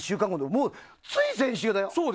もうつい先週だよ。